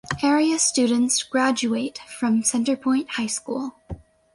Area students graduate from Centerpoint High School.